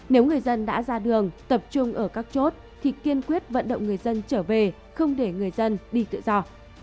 nếu người dân đã ra đường tập trung ở các chốt thì kiên quyết vận động người dân trở về không để người dân đi tự do